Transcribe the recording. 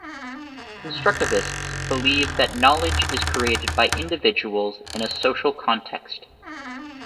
Constructivists believe that knowledge is created by individuals in a social context.